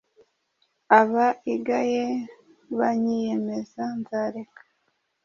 Abaigaye banyiyemeza, nzareka